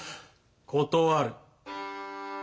断る。